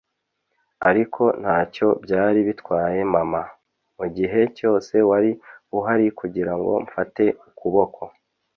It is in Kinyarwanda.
ariko ntacyo byari bitwaye mama, mugihe cyose wari uhari kugirango mfate ukuboko